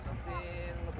sehari maksimal empat trip